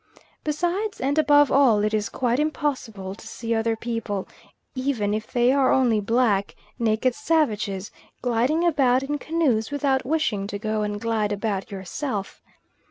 Besides, and above all, it is quite impossible to see other people, even if they are only black, naked savages, gliding about in canoes, without wishing to go and glide about yourself.